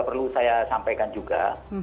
perlu saya sampaikan juga